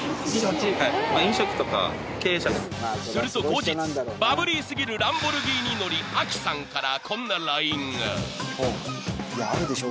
［すると後日バブリー過ぎるランボルギーニ乗りアキさんからこんなＬＩＮＥが］